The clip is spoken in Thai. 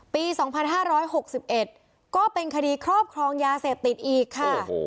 ปี๒๕๖๑ก็เป็นคดีครอบครองยาเสพติดอีกค่ะ